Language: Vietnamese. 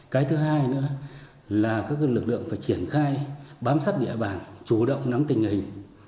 cái thứ hai nữa là các lực lượng phải triển khai bám sát địa bàn chủ động nắm tình hình